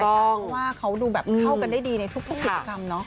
อะไรกันเพราะว่าเขาดูแบบเข้ากันได้ดีในทุกเหตุกรรมเนอะ